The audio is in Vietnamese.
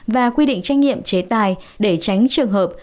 và quy định trách nhiệm chế tài để tránh trường hợp